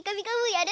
やる？